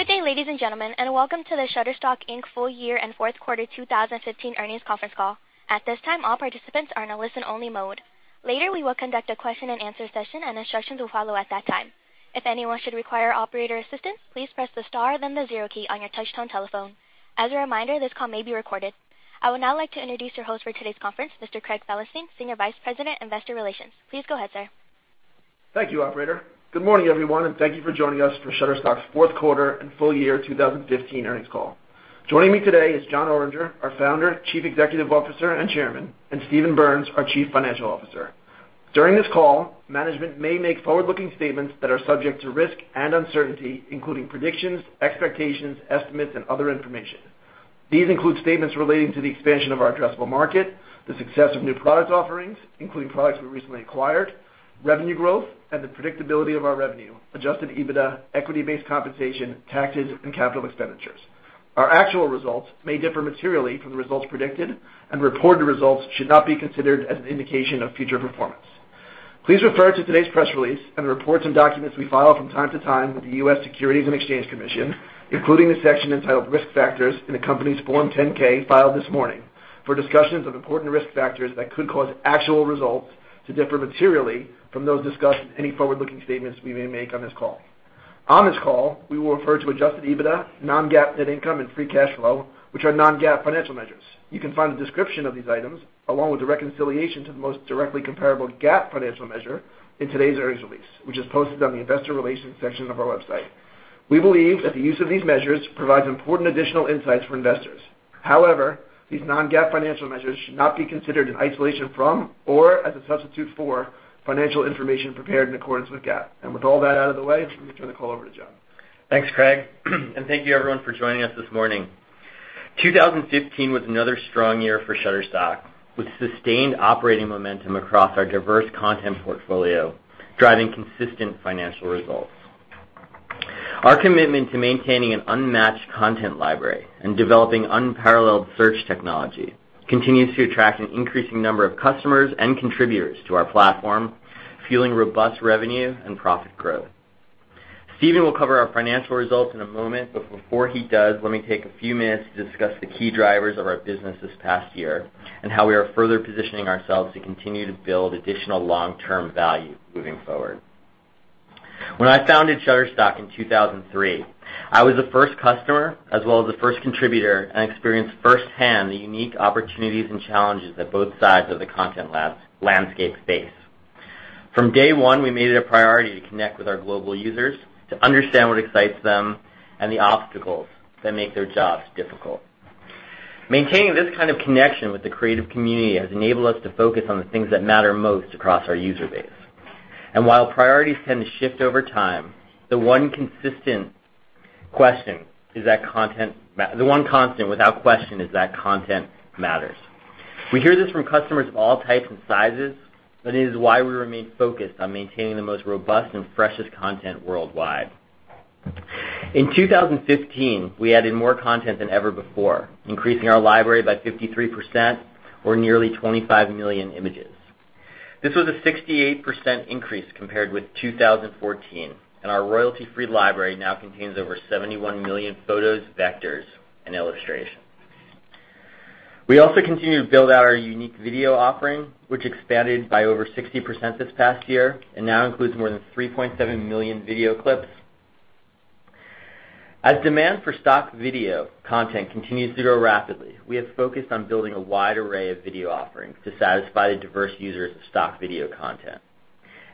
Good day, ladies and gentlemen, and welcome to the Shutterstock, Inc. Full Year and Fourth Quarter 2015 Earnings Conference Call. At this time, all participants are in a listen-only mode. Later, we will conduct a question and answer session, instructions will follow at that time. If anyone should require operator assistance, please press the star then the zero key on your touchtone telephone. As a reminder, this call may be recorded. I would now like to introduce your host for today's conference, Mr. Craig Felenstein, Senior Vice President, Investor Relations. Please go ahead, sir. Thank you, operator. Good morning, everyone, thank you for joining us for Shutterstock's fourth quarter and full year 2015 earnings call. Joining me today is Jon Oringer, our Founder, Chief Executive Officer, and Chairman, Steven Berns, our Chief Financial Officer. During this call, management may make forward-looking statements that are subject to risk and uncertainty, including predictions, expectations, estimates, and other information. These include statements relating to the expansion of our addressable market, the success of new product offerings, including products we recently acquired, revenue growth, the predictability of our revenue, adjusted EBITDA, equity-based compensation, taxes, and capital expenditures. Our actual results may differ materially from the results predicted, reported results should not be considered as an indication of future performance. Please refer to today's press release and the reports and documents we file from time to time with the U.S. Securities and Exchange Commission, including the section entitled Risk Factors in the company's Form 10-K filed this morning for discussions of important risk factors that could cause actual results to differ materially from those discussed in any forward-looking statements we may make on this call. On this call, we will refer to adjusted EBITDA, non-GAAP net income, and free cash flow, which are non-GAAP financial measures. You can find a description of these items, along with a reconciliation to the most directly comparable GAAP financial measure in today's earnings release, which is posted on the investor relations section of our website. We believe that the use of these measures provides important additional insights for investors. However, these non-GAAP financial measures should not be considered in isolation from or as a substitute for financial information prepared in accordance with GAAP. With all that out of the way, let me turn the call over to Jon. Thanks, Craig. Thank you, everyone, for joining us this morning. 2015 was another strong year for Shutterstock, with sustained operating momentum across our diverse content portfolio, driving consistent financial results. Our commitment to maintaining an unmatched content library and developing unparalleled search technology continues to attract an increasing number of customers and contributors to our platform, fueling robust revenue and profit growth. Steven will cover our financial results in a moment. Before he does, let me take a few minutes to discuss the key drivers of our business this past year and how we are further positioning ourselves to continue to build additional long-term value moving forward. When I founded Shutterstock in 2003, I was the first customer as well as the first contributor and experienced firsthand the unique opportunities and challenges that both sides of the content landscape face. From day one, we made it a priority to connect with our global users to understand what excites them and the obstacles that make their jobs difficult. Maintaining this kind of connection with the creative community has enabled us to focus on the things that matter most across our user base. While priorities tend to shift over time, the one constant without question is that content matters. We hear this from customers of all types and sizes. It is why we remain focused on maintaining the most robust and freshest content worldwide. In 2015, we added more content than ever before, increasing our library by 53%, or nearly 25 million images. This was a 68% increase compared with 2014. Our royalty-free library now contains over 71 million photos, vectors, and illustrations. We also continue to build out our unique video offering, which expanded by over 60% this past year and now includes more than 3.7 million video clips. As demand for stock video content continues to grow rapidly, we have focused on building a wide array of video offerings to satisfy the diverse users of stock video content.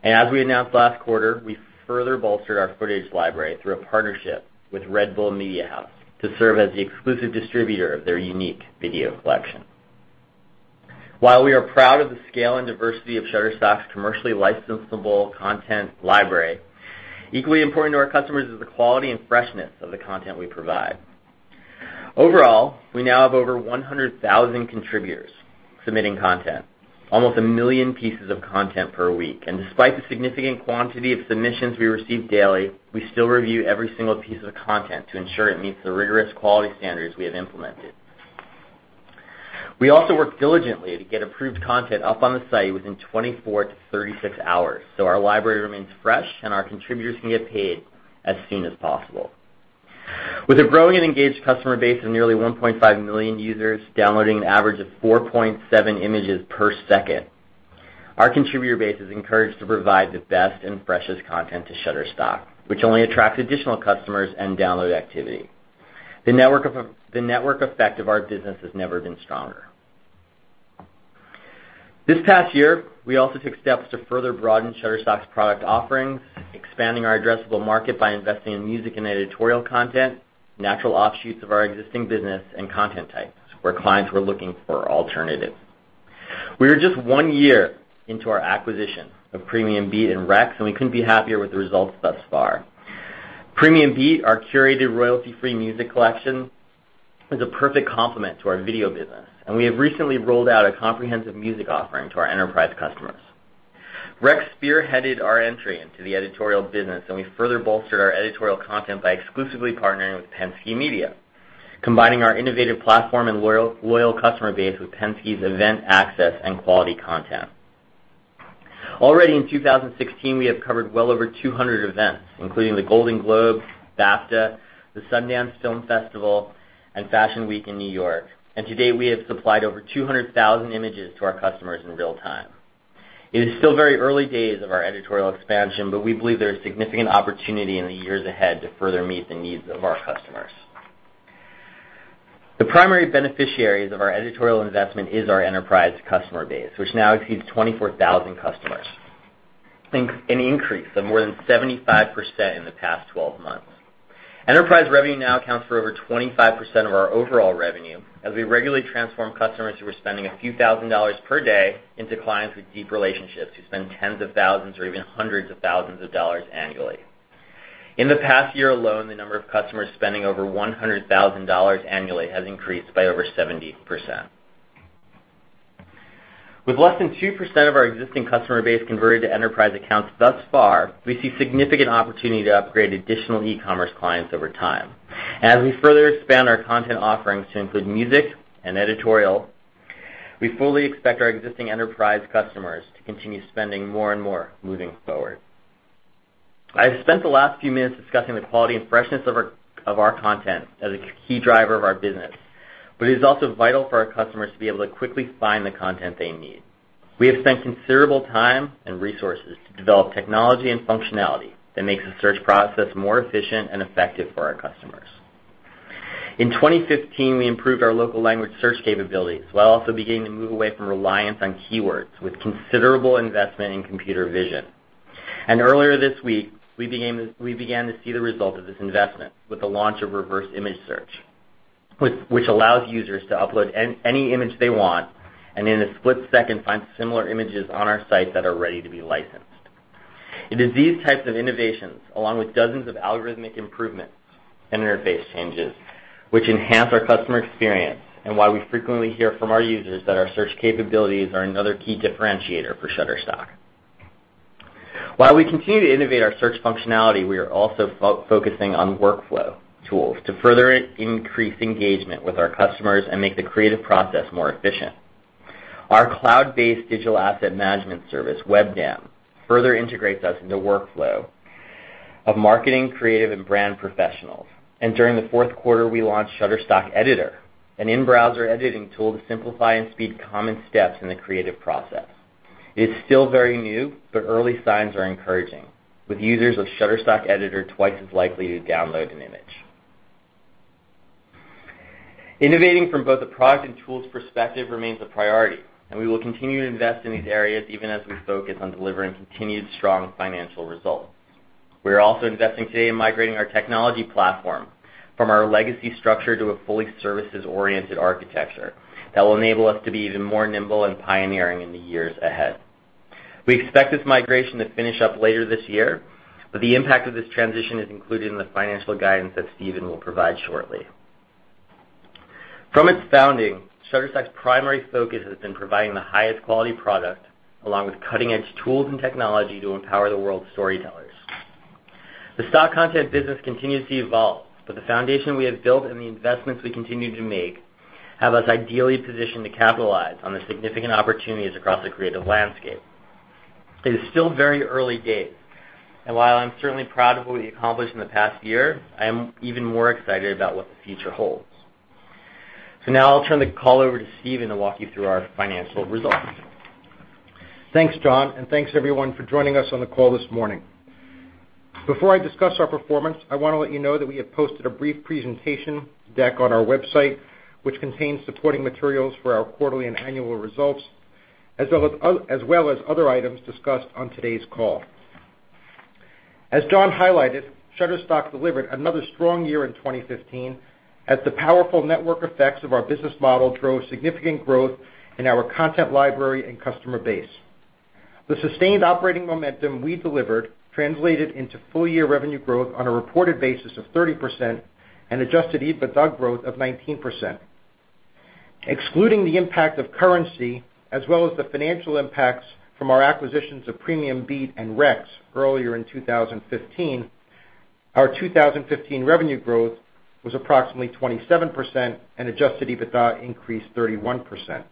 As we announced last quarter, we further bolstered our footage library through a partnership with Red Bull Media House to serve as the exclusive distributor of their unique video collection. While we are proud of the scale and diversity of Shutterstock's commercially licensable content library, equally important to our customers is the quality and freshness of the content we provide. Overall, we now have over 100,000 contributors submitting content, almost a million pieces of content per week. Despite the significant quantity of submissions we receive daily, we still review every single piece of content to ensure it meets the rigorous quality standards we have implemented. We also work diligently to get approved content up on the site within 24 to 36 hours, so our library remains fresh, and our contributors can get paid as soon as possible. With a growing and engaged customer base of nearly 1.5 million users downloading an average of 4.7 images per second, our contributor base is encouraged to provide the best and freshest content to Shutterstock, which only attracts additional customers and download activity. The network effect of our business has never been stronger. This past year, we also took steps to further broaden Shutterstock's product offerings, expanding our addressable market by investing in music and editorial content, natural offshoots of our existing business, and content types where clients were looking for alternatives. We are just one year into our acquisition of PremiumBeat and Rex, and we couldn't be happier with the results thus far. PremiumBeat, our curated royalty-free music collection, is a perfect complement to our video business, and we have recently rolled out a comprehensive music offering to our enterprise customers. Rex spearheaded our entry into the editorial business, and we further bolstered our editorial content by exclusively partnering with Penske Media, combining our innovative platform and loyal customer base with Penske's event access and quality content. Already in 2016, we have covered well over 200 events, including the Golden Globes, BAFTA, the Sundance Film Festival, and Fashion Week in New York. To date, we have supplied over 200,000 images to our customers in real time. It is still very early days of our editorial expansion, but we believe there is significant opportunity in the years ahead to further meet the needs of our customers. The primary beneficiaries of our editorial investment is our enterprise customer base, which now exceeds 24,000 customers, an increase of more than 75% in the past 12 months. Enterprise revenue now accounts for over 25% of our overall revenue, as we regularly transform customers who are spending a few thousand dollars per day into clients with deep relationships, who spend tens of thousands or even hundreds of thousands of dollars annually. In the past year alone, the number of customers spending over $100,000 annually has increased by over 70%. With less than 2% of our existing customer base converted to enterprise accounts thus far, we see significant opportunity to upgrade additional e-commerce clients over time. We further expand our content offerings to include music and editorial, we fully expect our existing enterprise customers to continue spending more and more moving forward. I've spent the last few minutes discussing the quality and freshness of our content as a key driver of our business, but it is also vital for our customers to be able to quickly find the content they need. We have spent considerable time and resources to develop technology and functionality that makes the search process more efficient and effective for our customers. In 2015, we improved our local language search capabilities, while also beginning to move away from reliance on keywords, with considerable investment in computer vision. Earlier this week, we began to see the result of this investment with the launch of reverse image search, which allows users to upload any image they want, and in a split second, find similar images on our site that are ready to be licensed. It is these types of innovations, along with dozens of algorithmic improvements and interface changes, which enhance our customer experience, and why we frequently hear from our users that our search capabilities are another key differentiator for Shutterstock. While we continue to innovate our search functionality, we are also focusing on workflow tools to further increase engagement with our customers and make the creative process more efficient. Our cloud-based digital asset management service, WebDAM, further integrates us into the workflow of marketing, creative, and brand professionals. During the fourth quarter, we launched Shutterstock Editor, an in-browser editing tool to simplify and speed common steps in the creative process. It is still very new, but early signs are encouraging, with users of Shutterstock Editor twice as likely to download an image. Innovating from both a product and tools perspective remains a priority, and we will continue to invest in these areas even as we focus on delivering continued strong financial results. We are also investing today in migrating our technology platform from our legacy structure to a fully services-oriented architecture that will enable us to be even nimbler and pioneering in the years ahead. We expect this migration to finish up later this year, but the impact of this transition is included in the financial guidance that Steven will provide shortly. From its founding, Shutterstock's primary focus has been providing the highest quality product, along with cutting-edge tools and technology to empower the world's storytellers. The stock content business continues to evolve, but the foundation we have built and the investments we continue to make have us ideally positioned to capitalize on the significant opportunities across the creative landscape. It is still very early days, and while I'm certainly proud of what we accomplished in the past year, I am even more excited about what the future holds. Now I'll turn the call over to Steven to walk you through our financial results. Thanks, Jon, and thanks, everyone, for joining us on the call this morning. Before I discuss our performance, I want to let you know that we have posted a brief presentation deck on our website, which contains supporting materials for our quarterly and annual results, as well as other items discussed on today's call. As Jon highlighted, Shutterstock delivered another strong year in 2015 as the powerful network effects of our business model drove significant growth in our content library and customer base. The sustained operating momentum we delivered translated into full-year revenue growth on a reported basis of 30% and adjusted EBITDA growth of 19%. Excluding the impact of currency as well as the financial impacts from our acquisitions of PremiumBeat and Rex earlier in 2015, our 2015 revenue growth was approximately 27%, and adjusted EBITDA increased 31%.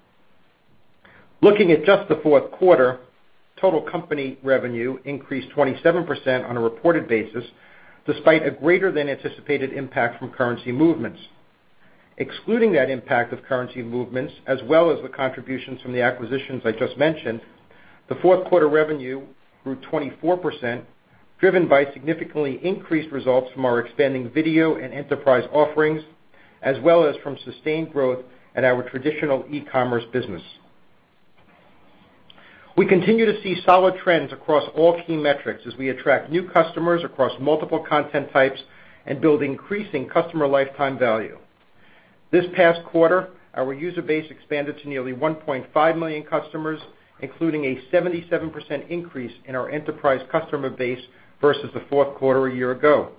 Looking at just the fourth quarter, total company revenue increased 27% on a reported basis, despite a greater-than-anticipated impact from currency movements. Excluding that impact of currency movements, as well as the contributions from the acquisitions I just mentioned, the fourth quarter revenue grew 24%, driven by significantly increased results from our expanding video and enterprise offerings, as well as from sustained growth at our traditional e-commerce business. We continue to see solid trends across all key metrics as we attract new customers across multiple content types and build increasing customer lifetime value. This past quarter, our user base expanded to nearly 1.5 million customers, including a 77% increase in our enterprise customer base versus the fourth quarter a year ago.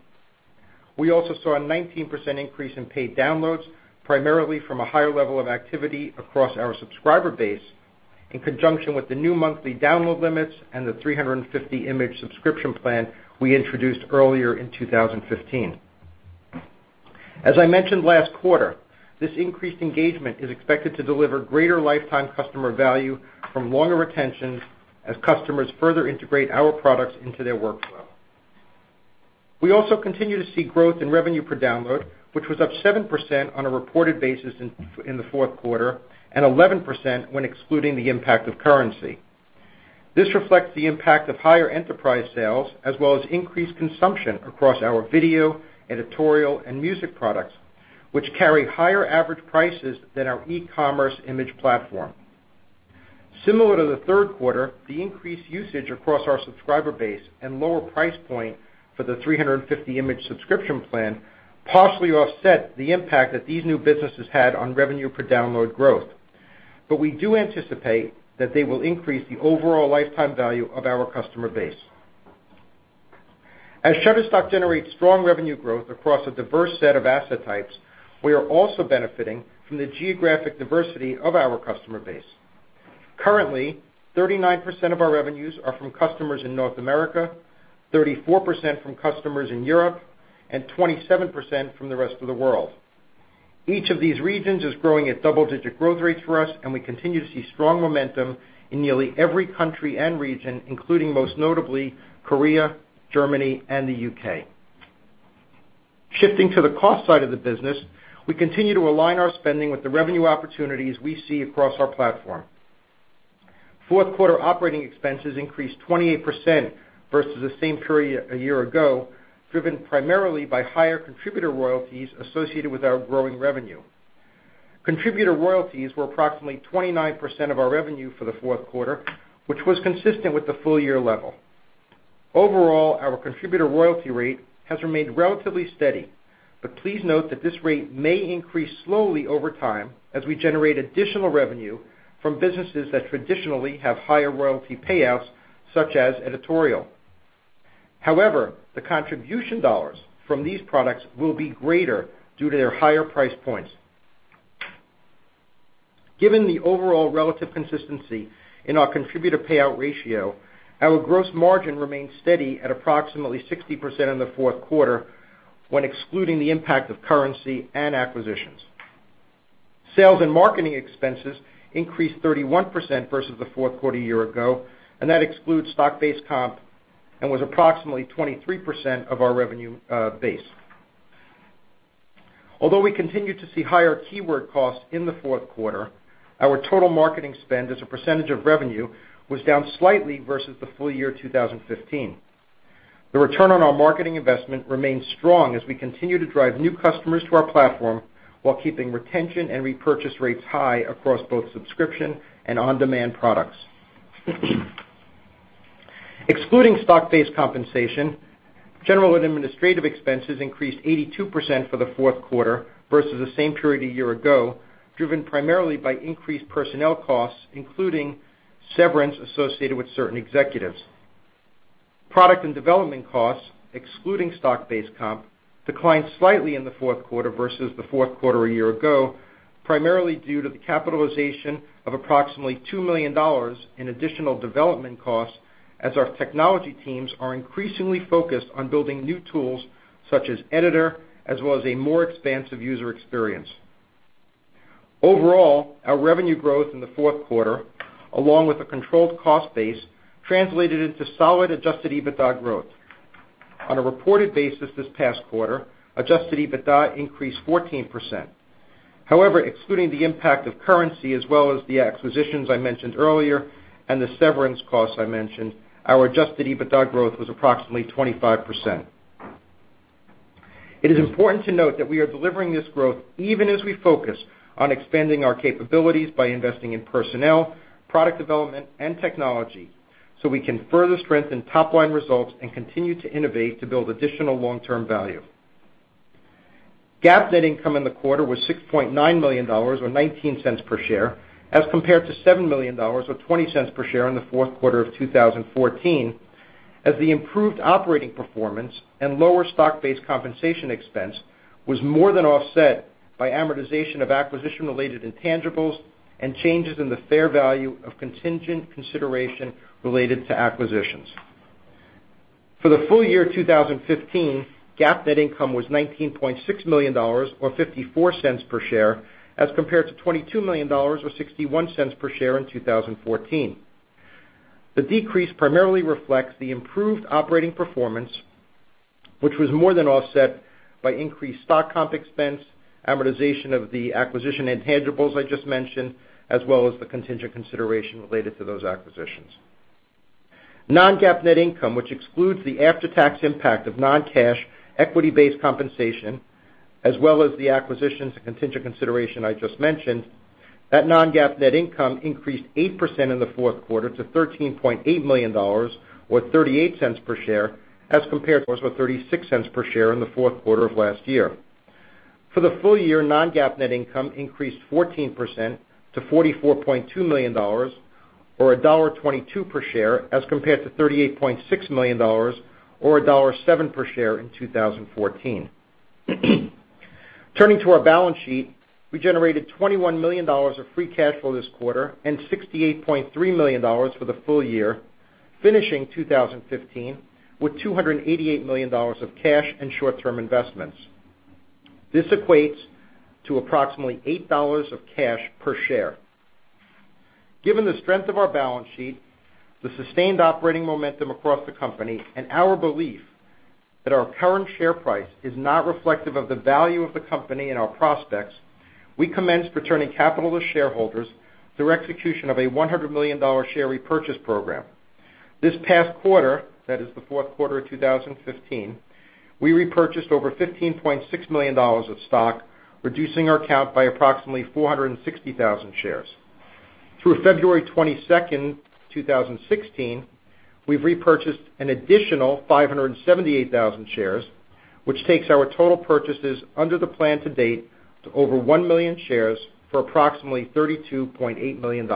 We also saw a 19% increase in paid downloads, primarily from a higher level of activity across our subscriber base in conjunction with the new monthly download limits and the 350-image subscription plan we introduced earlier in 2015. As I mentioned last quarter, this increased engagement is expected to deliver greater lifetime customer value from longer retention as customers further integrate our products into their workflow. We also continue to see growth in revenue per download, which was up 7% on a reported basis in the fourth quarter, and 11% when excluding the impact of currency. This reflects the impact of higher enterprise sales, as well as increased consumption across our video, editorial, and music products, which carry higher average prices than our e-commerce image platform. Similar to the third quarter, the increased usage across our subscriber base and lower price point for the 350 image subscription plan partially offset the impact that these new businesses had on revenue per download growth. We do anticipate that they will increase the overall lifetime value of our customer base. As Shutterstock generates strong revenue growth across a diverse set of asset types, we are also benefiting from the geographic diversity of our customer base. Currently, 39% of our revenues are from customers in North America, 34% from customers in Europe, and 27% from the rest of the world. Each of these regions is growing at double-digit growth rates for us, and we continue to see strong momentum in nearly every country and region, including, most notably, Korea, Germany, and the U.K. Shifting to the cost side of the business, we continue to align our spending with the revenue opportunities we see across our platform. Fourth quarter operating expenses increased 28% versus the same period a year ago, driven primarily by higher contributor royalties associated with our growing revenue. Contributor royalties were approximately 29% of our revenue for the fourth quarter, which was consistent with the full year level. Overall, our contributor royalty rate has remained relatively steady, but please note that this rate may increase slowly over time as we generate additional revenue from businesses that traditionally have higher royalty payouts, such as editorial. However, the contribution dollars from these products will be greater due to their higher price points. Given the overall relative consistency in our contributor payout ratio, our gross margin remained steady at approximately 60% in the fourth quarter when excluding the impact of currency and acquisitions. Sales and marketing expenses increased 31% versus the fourth quarter a year ago, and that excludes stock-based comp and was approximately 23% of our revenue base. Although we continued to see higher keyword costs in the fourth quarter, our total marketing spend as a percentage of revenue was down slightly versus the full year 2015. The return on our marketing investment remains strong as we continue to drive new customers to our platform while keeping retention and repurchase rates high across both subscription and on-demand products. Excluding stock-based compensation, general and administrative expenses increased 82% for the fourth quarter versus the same period a year ago, driven primarily by increased personnel costs, including severance associated with certain executives. Product and development costs, excluding stock-based comp, declined slightly in the fourth quarter versus the fourth quarter a year ago, primarily due to the capitalization of approximately $2 million in additional development costs as our technology teams are increasingly focused on building new tools such as Shutterstock Editor, as well as a more expansive user experience. Overall, our revenue growth in the fourth quarter, along with a controlled cost base, translated into solid adjusted EBITDA growth. On a reported basis this past quarter, adjusted EBITDA increased 14%. However, excluding the impact of currency as well as the acquisitions I mentioned earlier and the severance costs I mentioned, our adjusted EBITDA growth was approximately 25%. It is important to note that we are delivering this growth even as we focus on expanding our capabilities by investing in personnel, product development, and technology, so we can further strengthen top-line results and continue to innovate to build additional long-term value. GAAP net income in the quarter was $6.9 million, or $0.19 per share, as compared to $7 million, or $0.20 per share in the fourth quarter of 2014, as the improved operating performance and lower stock-based compensation expense was more than offset by amortization of acquisition-related intangibles and changes in the fair value of contingent consideration related to acquisitions. For the full year 2015, GAAP net income was $19.6 million, or $0.54 per share, as compared to $22 million or $0.61 per share in 2014. The decrease primarily reflects the improved operating performance, which was more than offset by increased stock comp expense, amortization of the acquisition intangibles I just mentioned, as well as the contingent consideration related to those acquisitions. Non-GAAP net income, which excludes the after-tax impact of non-cash equity-based compensation as well as the acquisitions and contingent consideration I just mentioned, that non-GAAP net income increased 8% in the fourth quarter to $13.8 million or $0.38 per share as compared to $0.36 per share in the fourth quarter of last year. For the full year, non-GAAP net income increased 14% to $44.2 million, or $1.22 per share, as compared to $38.6 million or $1.07 per share in 2014. Turning to our balance sheet, we generated $21 million of free cash flow this quarter and $68.3 million for the full year. Finishing 2015 with $288 million of cash and short-term investments. This equates to approximately $8 of cash per share. Given the strength of our balance sheet, the sustained operating momentum across the company, and our belief that our current share price is not reflective of the value of the company and our prospects, we commenced returning capital to shareholders through execution of a $100 million share repurchase program. This past quarter, that is the fourth quarter of 2015, we repurchased over $15.6 million of stock, reducing our count by approximately 460,000 shares. Through February 22nd, 2016, we've repurchased an additional 578,000 shares, which takes our total purchases under the plan to date to over 1 million shares for approximately $32.8 million.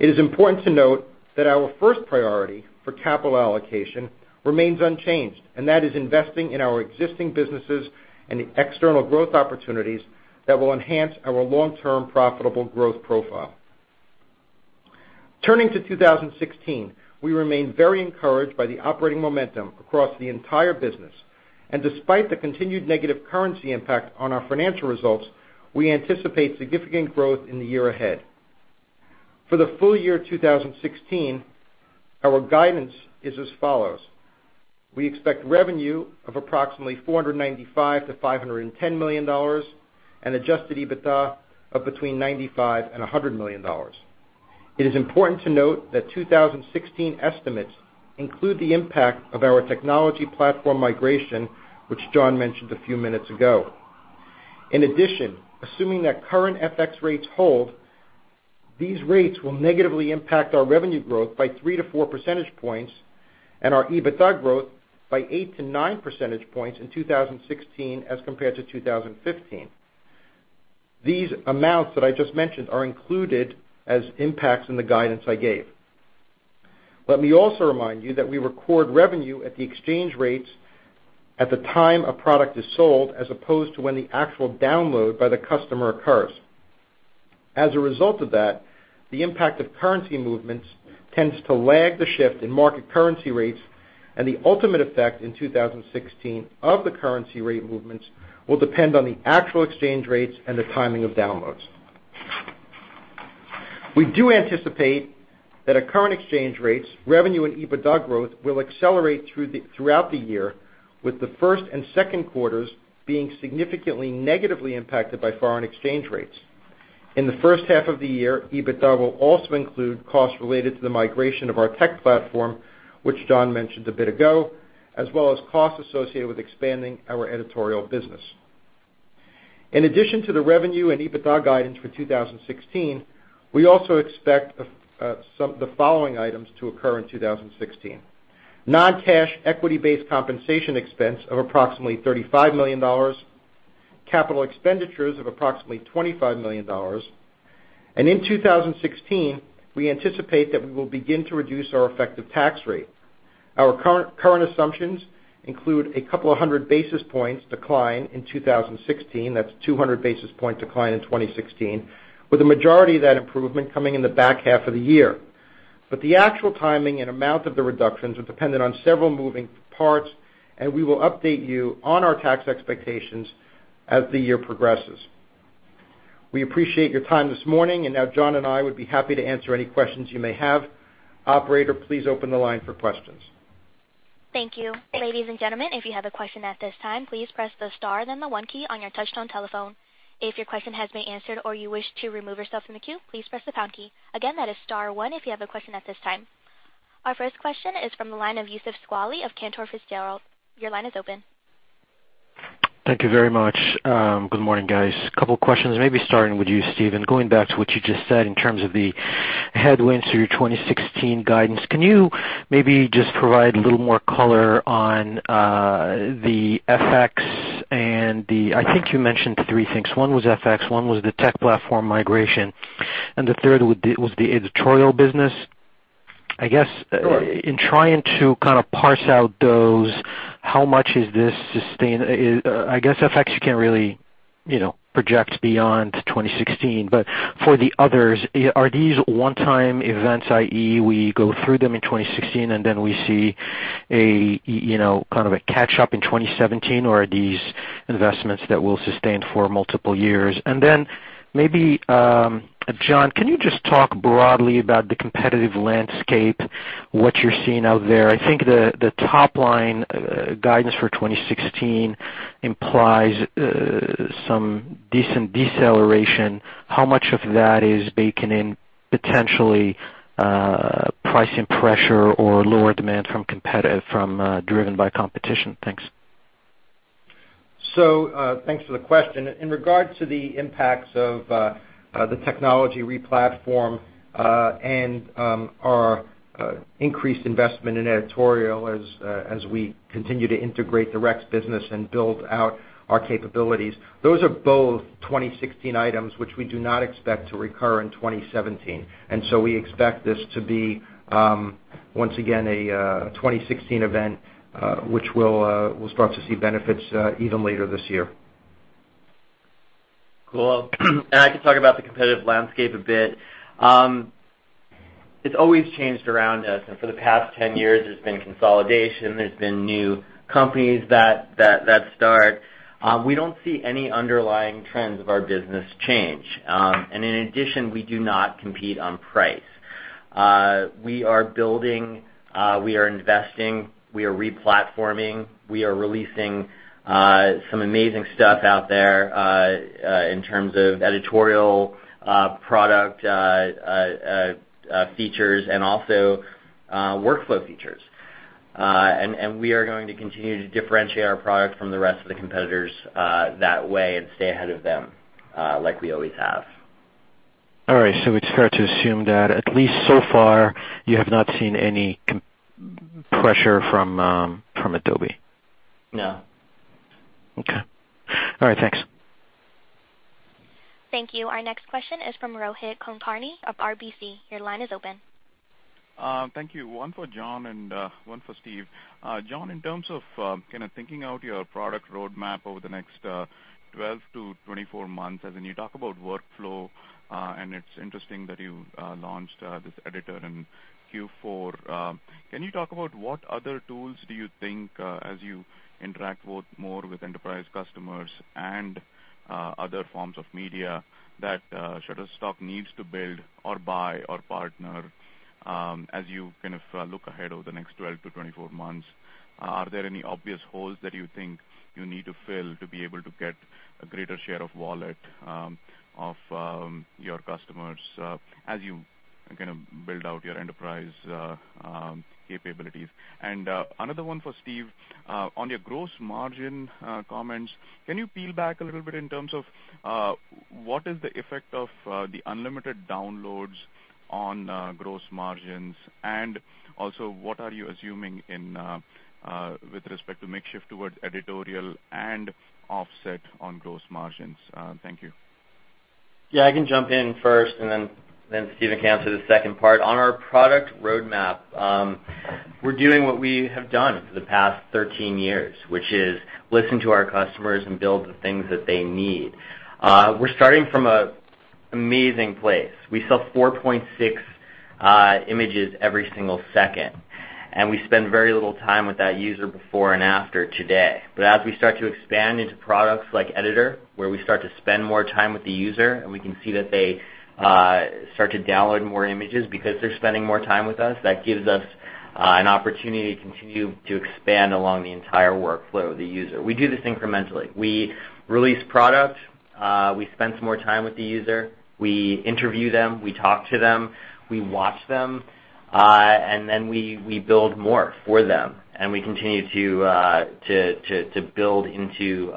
It is important to note that our first priority for capital allocation remains unchanged, and that is investing in our existing businesses and the external growth opportunities that will enhance our long-term profitable growth profile. Turning to 2016, we remain very encouraged by the operating momentum across the entire business. Despite the continued negative currency impact on our financial results, we anticipate significant growth in the year ahead. For the full year 2016, our guidance is as follows: We expect revenue of approximately $495 million to $510 million. Adjusted EBITDA of between $95 million and $100 million. It is important to note that 2016 estimates include the impact of our technology platform migration, which Jon mentioned a few minutes ago. Assuming that current FX rates hold, these rates will negatively impact our revenue growth by three to four percentage points and our EBITDA growth by eight to nine percentage points in 2016 as compared to 2015. These amounts that I just mentioned are included as impacts in the guidance I gave. Let me also remind you that we record revenue at the exchange rates at the time a product is sold, as opposed to when the actual download by the customer occurs. As a result of that, the impact of currency movements tends to lag the shift in market currency rates and the ultimate effect in 2016 of the currency rate movements will depend on the actual exchange rates and the timing of downloads. We do anticipate that at current exchange rates, revenue and EBITDA growth will accelerate throughout the year with the first and second quarters being significantly negatively impacted by foreign exchange rates. In the first half of the year, EBITDA will also include costs related to the migration of our tech platform, which Jon mentioned a bit ago, as well as costs associated with expanding our editorial business. In addition to the revenue and EBITDA guidance for 2016, we also expect the following items to occur in 2016. Non-cash equity-based compensation expense of approximately $35 million, capital expenditures of approximately $25 million. In 2016, we anticipate that we will begin to reduce our effective tax rate. Our current assumptions include a couple of hundred basis points decline in 2016. That is 200 basis points decline in 2016, with the majority of that improvement coming in the back half of the year. The actual timing and amount of the reductions are dependent on several moving parts. We will update you on our tax expectations as the year progresses. We appreciate your time this morning. Now Jon and I would be happy to answer any questions you may have. Operator, please open the line for questions. Thank you. Ladies and gentlemen, if you have a question at this time, please press the star then the one key on your touchtone telephone. If your question has been answered or you wish to remove yourself from the queue, please press the pound key. Again, that is star one if you have a question at this time. Our first question is from the line of Youssef Squali of Cantor Fitzgerald. Your line is open. Thank you very much. Good morning, guys. Couple of questions, maybe starting with you, Steven Berns, and going back to what you just said in terms of the headwinds to your 2016 guidance. Can you maybe just provide a little more color on the FX and I think you mentioned three things. One was FX, one was the tech platform migration, and the third was the editorial business. I guess Sure in trying to kind of parse out those, how much is this? I guess FX you can't really project beyond 2016, but for the others, are these one-time events, i.e., we go through them in 2016 and then we see a kind of a catch-up in 2017, or are these investments that will sustain for multiple years? Then maybe, Jon Oringer, can you just talk broadly about the competitive landscape, what you're seeing out there? I think the top line guidance for 2016 implies some decent deceleration. How much of that is baked in potentially pricing pressure or lower demand driven by competition? Thanks. Thanks for the question. In regards to the impacts of the technology re-platform and our increased investment in editorial as we continue to integrate the Rex Features business and build out our capabilities, those are both 2016 items, which we do not expect to recur in 2017. We expect this to be, once again, a 2016 event, which we'll start to see benefits even later this year. Cool. I can talk about the competitive landscape a bit. It's always changed around us, and for the past 10 years, there's been consolidation, there's been new companies that start. We don't see any underlying trends of our business change. In addition, we do not compete on price. We are building, we are investing, we are re-platforming, we are releasing some amazing stuff out there, in terms of editorial product features and also workflow features. We are going to continue to differentiate our product from the rest of the competitors that way and stay ahead of them, like we always have. All right. It's fair to assume that at least so far, you have not seen any pressure from Adobe. No. Okay. All right. Thanks. Thank you. Our next question is from Rohit Kulkarni of RBC. Your line is open. Thank you. One for Jon and one for Steven. Jon, in terms of thinking out your product roadmap over the next 12-24 months, as in you talk about workflow, and it's interesting that you launched this editor in Q4. Can you talk about what other tools do you think, as you interact more with enterprise customers and other forms of media that Shutterstock needs to build or buy or partner, as you look ahead over the next 12-24 months? Are there any obvious holes that you think you need to fill to be able to get a greater share of wallet of your customers, as you build out your enterprise capabilities? Another one for Steven. On your gross margin comments, can you peel back a little bit in terms of, what is the effect of the unlimited downloads on gross margins? What are you assuming with respect to mix shift towards editorial and offset on gross margins? Thank you. Yeah, I can jump in first, and then Steven can answer the second part. On our product roadmap, we're doing what we have done for the past 13 years, which is listen to our customers and build the things that they need. We're starting from an amazing place. We sell 4.6 images every single second, and we spend very little time with that user before and after today. As we start to expand into products like Shutterstock Editor, where we start to spend more time with the user, and we can see that they start to download more images because they're spending more time with us. That gives us an opportunity to continue to expand along the entire workflow of the user. We do this incrementally. We release product, we spend some more time with the user. We interview them, we talk to them, we watch them, and then we build more for them, and we continue to build into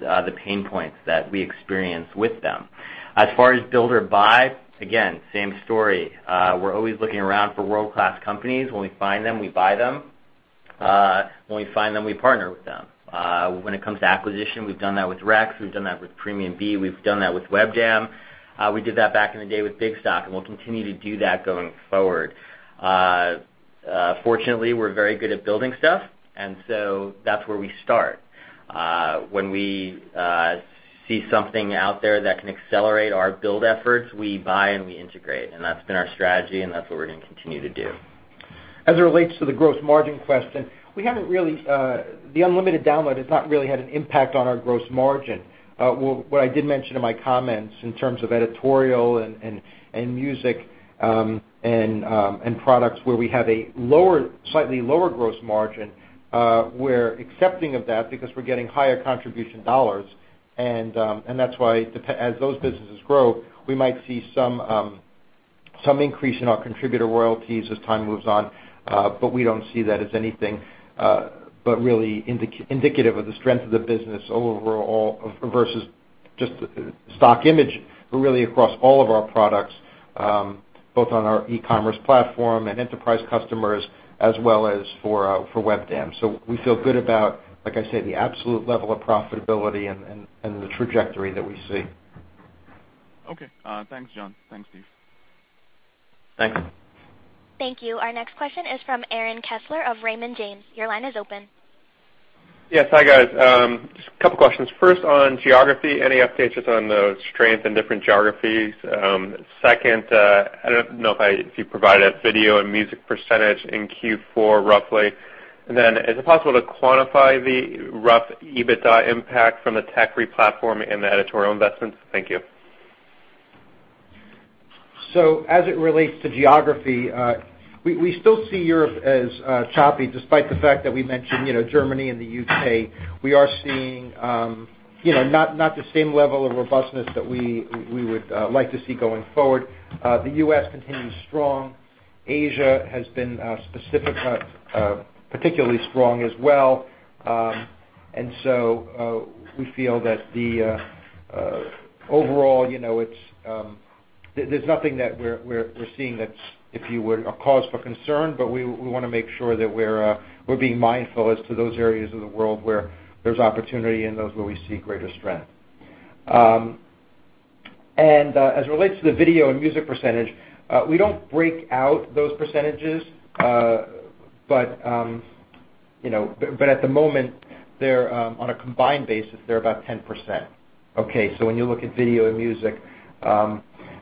the pain points that we experience with them. As far as build or buy, again, same story. We're always looking around for world-class companies. When we find them, we buy them. When we find them, we partner with them. When it comes to acquisition, we've done that with Rex Features, we've done that with PremiumBeat, we've done that with WebDAM. We did that back in the day with Bigstock, and we'll continue to do that going forward. Fortunately, we're very good at building stuff, that's where we start. When we see something out there that can accelerate our build efforts, we buy, and we integrate. That's been our strategy, and that's what we're going to continue to do. As it relates to the gross margin question, the unlimited download has not really had an impact on our gross margin. What I did mention in my comments, in terms of editorial and music, and products where we have a slightly lower gross margin, we're accepting of that because we're getting higher contribution dollars. That's why as those businesses grow, we might see some increase in our contributor royalties as time moves on. We don't see that as anything but really indicative of the strength of the business overall versus just stock image, but really across all of our products, both on our e-commerce platform and enterprise customers, as well as for WebDAM. We feel good about, like I said, the absolute level of profitability and the trajectory that we see. Okay. Thanks, Jon. Thanks, Steven. Thanks. Thank you. Our next question is from Aaron Kessler of Raymond James. Your line is open. Yes. Hi, guys. Just a couple of questions. First on geography, any updates just on the strength in different geographies? Second, I don't know if you provided video and music percentage in Q4 roughly, and then is it possible to quantify the rough EBITDA impact from the tech re-platform and the editorial investments? Thank you. As it relates to geography, we still see Europe as choppy, despite the fact that we mentioned Germany and the U.K. We are seeing not the same level of robustness that we would like to see going forward. The U.S. continues strong. Asia has been particularly strong as well. We feel that overall, there's nothing that we're seeing that's, if you would, a cause for concern, but we want to make sure that we're being mindful as to those areas of the world where there's opportunity and those where we see greater strength. As it relates to the video and music percentage, we don't break out those percentages. At the moment, on a combined basis, they're about 10%. Okay. When you look at video and music.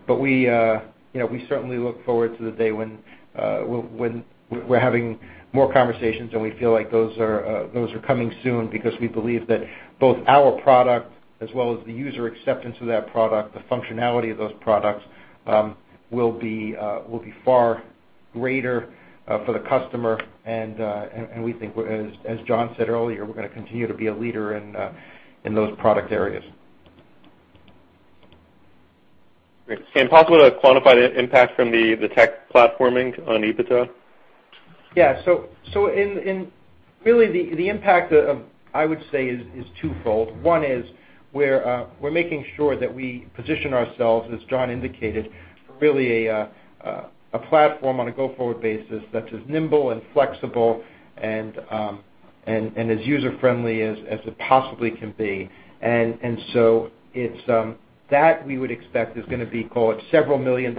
We certainly look forward to the day when we're having more conversations, and we feel like those are coming soon because we believe that both our product as well as the user acceptance of that product, the functionality of those products, will be far greater for the customer. We think, as Jon said earlier, we're going to continue to be a leader in those product areas. Great. Possible to quantify the impact from the tech platforming on EBITDA? Yeah. Really, the impact, I would say, is twofold. One is we're making sure that we position ourselves, as Jon indicated, really a platform on a go-forward basis that's as nimble and flexible and as user-friendly as it possibly can be. That we would expect is going to be, call it, $ several million of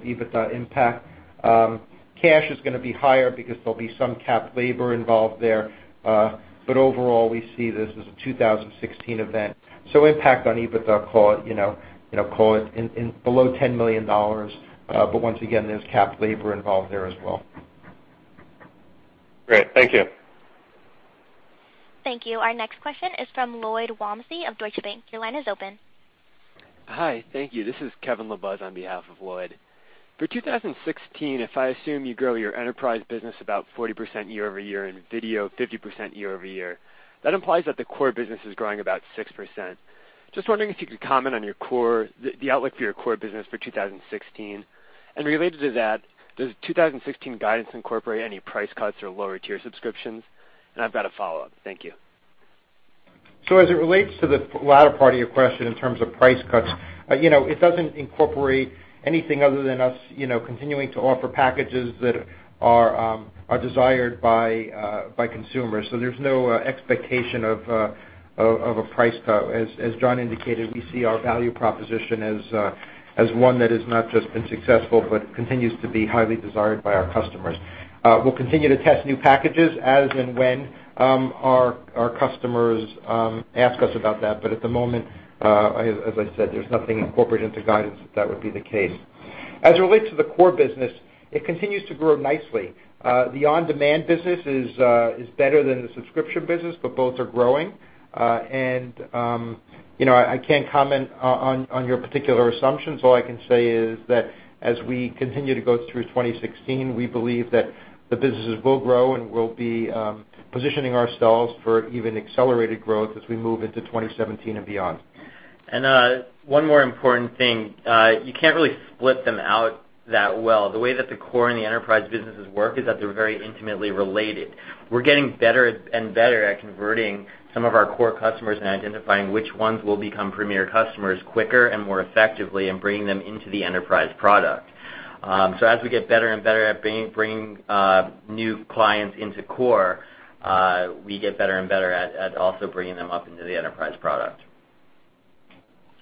EBITDA impact. Cash is going to be higher because there'll be some capitalized labor involved there. Overall, we see this as a 2016 event. Impact on EBITDA, call it below $10 million. Once again, there's capitalized labor involved there as well. Great. Thank you. Thank you. Our next question is from Lloyd Walmsley of Deutsche Bank. Your line is open. Hi. Thank you. This is Kevin LaBuz on behalf of Lloyd. For 2016, if I assume you grow your enterprise business about 40% year-over-year and video 50% year-over-year, that implies that the core business is growing about 6%. Just wondering if you could comment on the outlook for your core business for 2016. Related to that, does the 2016 guidance incorporate any price cuts or lower-tier subscriptions? I've got a follow-up. Thank you. As it relates to the latter part of your question in terms of price cuts, it doesn't incorporate anything other than us continuing to offer packages that are desired by consumers. There's no expectation of a price cut. As Jon indicated, we see our value proposition as one that has not just been successful, but continues to be highly desired by our customers. We'll continue to test new packages as and when our customers ask us about that. At the moment, as I said, there's nothing incorporated into guidance that would be the case. As it relates to the core business, it continues to grow nicely. The on-demand business is better than the subscription business, but both are growing. I can't comment on your particular assumptions. All I can say is that as we continue to go through 2016, we believe that the businesses will grow, we'll be positioning ourselves for even accelerated growth as we move into 2017 and beyond. One more important thing. You can't really split them out that well. The way that the core and the enterprise businesses work is that they're very intimately related. We're getting better and better at converting some of our core customers and identifying which ones will become premier customers quicker and more effectively and bringing them into the enterprise product. As we get better and better at bringing new clients into core, we get better and better at also bringing them up into the enterprise product.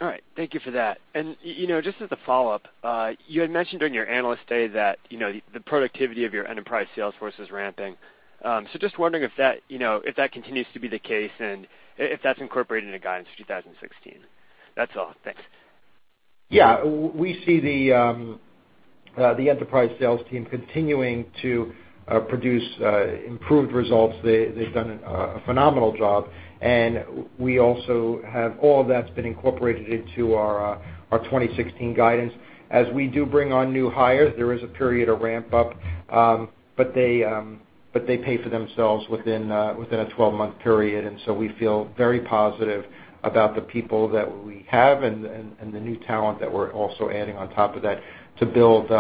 All right. Thank you for that. Just as a follow-up, you had mentioned during your Analyst Day that the productivity of your enterprise sales force is ramping. Just wondering if that continues to be the case and if that's incorporated in the guidance for 2016. That's all. Thanks. Yeah. We see the enterprise sales team continuing to produce improved results. They've done a phenomenal job, and we also have all of that's been incorporated into our 2016 guidance. As we do bring on new hires, there is a period of ramp-up. They pay for themselves within a 12-month period. We feel very positive about the people that we have and the new talent that we're also adding on top of that to build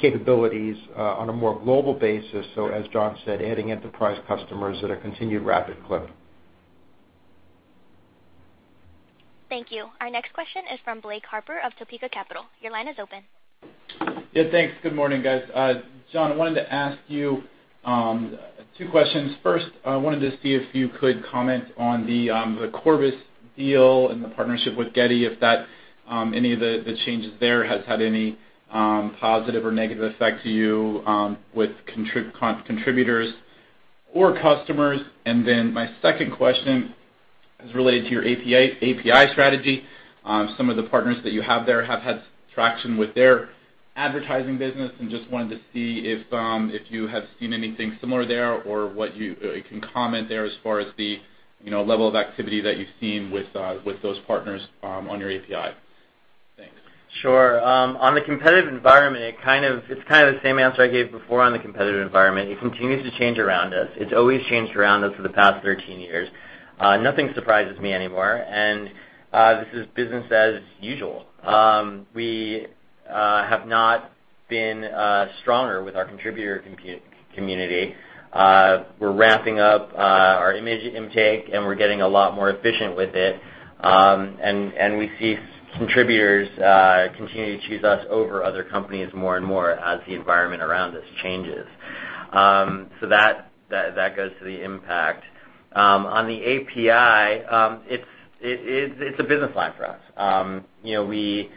capabilities on a more global basis. As Jon said, adding enterprise customers at a continued rapid clip. Thank you. Our next question is from Blake Harper of Topeka Capital. Your line is open. Yeah, thanks. Good morning, guys. Jon, I wanted to ask you two questions. First, I wanted to see if you could comment on the Corbis deal and the partnership with Getty, if any of the changes there has had any positive or negative effect to you with contributors or customers. My second question is related to your API strategy. Some of the partners that you have there have had traction with their advertising business, and just wanted to see if you have seen anything similar there or what you can comment there as far as the level of activity that you've seen with those partners on your API. Thanks. Sure. On the competitive environment, it's kind of the same answer I gave before on the competitive environment. It continues to change around us. It's always changed around us for the past 13 years. Nothing surprises me anymore, this is business as usual. We have not been stronger with our contributor community. We're ramping up our image intake, and we're getting a lot more efficient with it. We see contributors continuing to choose us over other companies more and more as the environment around us changes. That goes to the impact. On the API, it's a business line for us.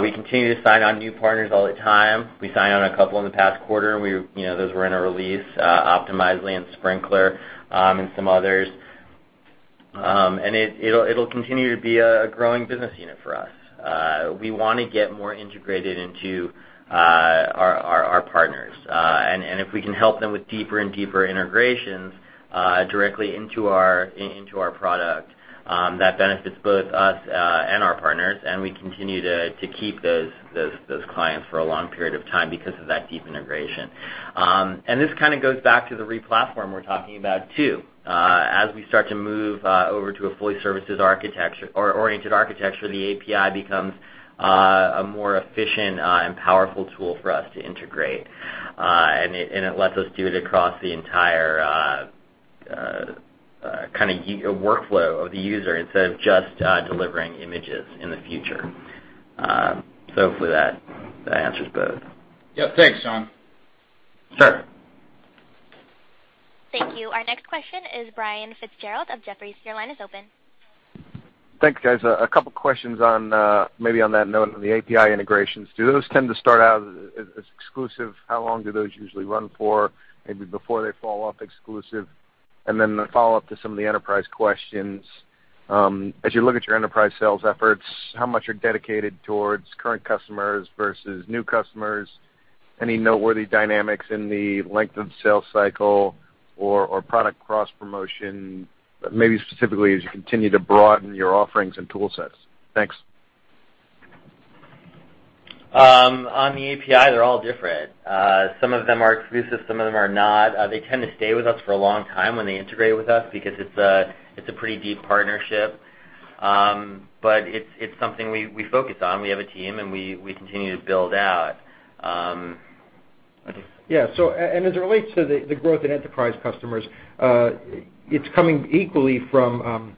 We continue to sign on new partners all the time. We signed on a couple in the past quarter. Those were in our release, Optimizely and Sprinklr, and some others. It'll continue to be a growing business unit for us. We want to get more integrated into our partners. If we can help them with deeper and deeper integrations directly into our product, that benefits both us and our partners, we continue to keep those clients for a long period of time because of that deep integration. This kind of goes back to the re-platform we're talking about, too. As we start to move over to a fully services architecture or oriented architecture, the API becomes a more efficient and powerful tool for us to integrate. It lets us do it across the entire kind of workflow of the user instead of just delivering images in the future. Hopefully that answers both. Yep. Thanks, Jon. Sure. Thank you. Our next question is Brian Fitzgerald of Jefferies. Your line is open. Thanks, guys. A couple questions on maybe on that note on the API integrations. Do those tend to start out as exclusive? How long do those usually run for maybe before they fall off exclusive? A follow-up to some of the enterprise questions. As you look at your enterprise sales efforts, how much are dedicated towards current customers versus new customers? Any noteworthy dynamics in the length of sales cycle or product cross-promotion, maybe specifically as you continue to broaden your offerings and tool sets? Thanks. On the API, they're all different. Some of them are exclusive, some of them are not. They tend to stay with us for a long time when they integrate with us because it's a pretty deep partnership. It's something we focus on. We have a team, and we continue to build out. Yeah. As it relates to the growth in enterprise customers, it's coming equally from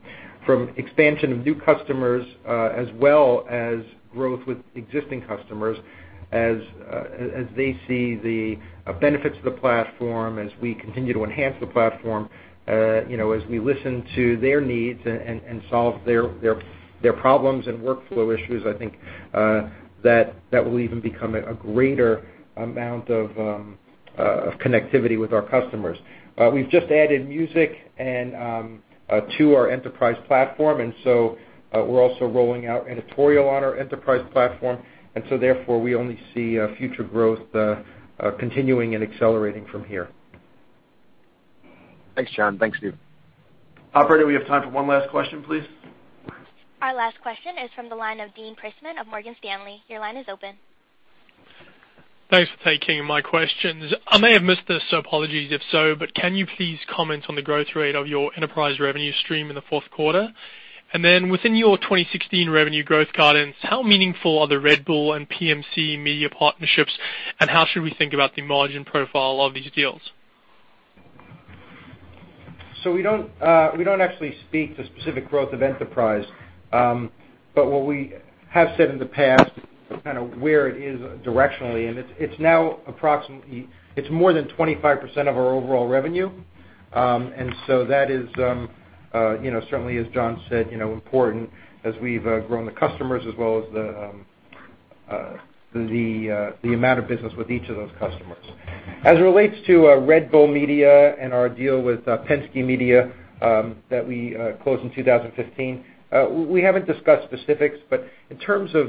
expansion of new customers as well as growth with existing customers as they see the benefits of the platform, as we continue to enhance the platform, as we listen to their needs and solve their problems and workflow issues, I think, that will even become a greater amount of connectivity with our customers. We've just added music to our enterprise platform, and so we're also rolling out editorial on our enterprise platform. We only see future growth continuing and accelerating from here. Thanks, Jon. Thanks, Steven. Operator, we have time for one last question, please. Our last question is from the line of Dean Prissman of Morgan Stanley. Your line is open. Thanks for taking my questions. I may have missed this, so apologies if so, but can you please comment on the growth rate of your enterprise revenue stream in the fourth quarter? Within your 2016 revenue growth guidance, how meaningful are the Red Bull and PMC media partnerships, and how should we think about the margin profile of these deals? We don't actually speak to specific growth of enterprise. What we have said in the past, kind of where it is directionally, and it's now approximately more than 25% of our overall revenue. That is, certainly as Jon said, important as we've grown the customers as well as the amount of business with each of those customers. As it relates to Red Bull Media and our deal with Penske Media that we closed in 2015, we haven't discussed specifics, but in terms of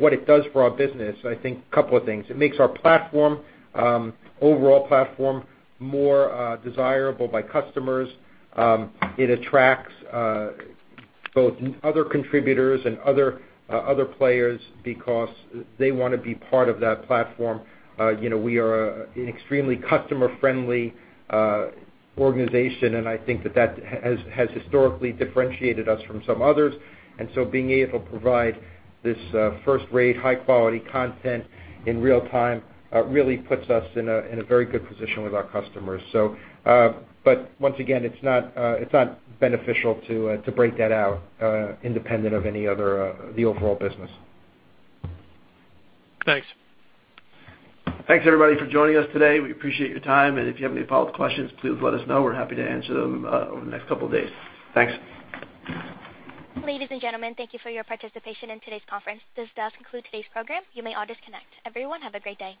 what it does for our business, I think a couple of things. It makes our platform, overall platform, more desirable by customers. It attracts both other contributors and other players because they want to be part of that platform. We are an extremely customer-friendly organization, and I think that that has historically differentiated us from some others. Being able to provide this first-rate, high-quality content in real time really puts us in a very good position with our customers. Once again, it's not beneficial to break that out independent of any other, the overall business. Thanks. Thanks, everybody, for joining us today. We appreciate your time, and if you have any follow-up questions, please let us know. We're happy to answer them over the next couple of days. Thanks. Ladies and gentlemen, thank you for your participation in today's conference. This does conclude today's program. You may all disconnect. Everyone, have a great day.